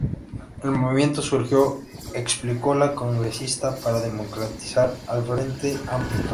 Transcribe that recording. El movimiento surgió -explicó la congresista- "para democratizar el Frente Amplio".